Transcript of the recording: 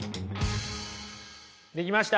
できました？